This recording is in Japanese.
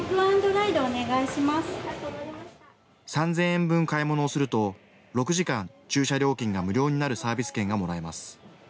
３０００円分買い物をすると６時間、駐車料金が無料になるサービス券がもらえます。